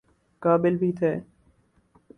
قابل بھی تھے۔